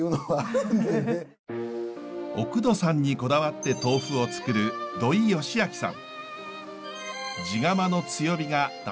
おくどさんにこだわって豆腐をつくる土居佳明さん。